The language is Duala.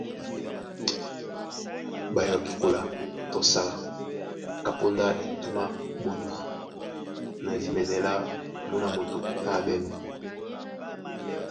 Ɓó yɔkí kola tɔ sala, kapóndá etûm á ɓodû na dimɛnɛ lá mǔná moto á ɓɛ̂nnɔ́.